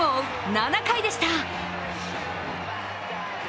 ７回でした。